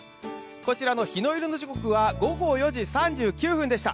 こちらの日の入りの時刻は午後４時３９分でした。